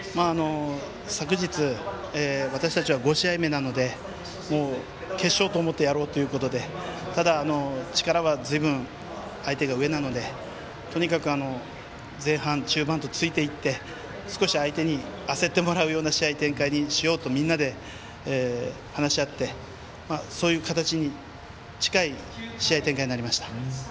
昨日私たちは５試合目なのでもう決勝と思ってやろうということで、ただ力はずいぶん、相手が上なのでとにかく、前半、中盤とついていって、少し相手に焦ってもらうような試合展開にしようと、みんなで話し合ってそういう形に近い試合展開になりました。